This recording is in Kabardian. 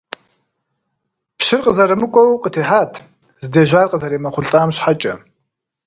Пщыр къызэрымыкӀуэу къытехьат, здежьар къызэремыхъулӀам щхьэкӀэ.